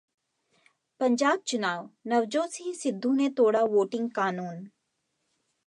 पंजाब चुनाव: नवजोत सिंह सिद्धू ने तोड़ा वोटिंग कानून